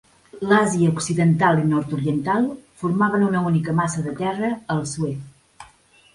L'Àsia occidental i nord-oriental formaven una única massa de terra al Suez.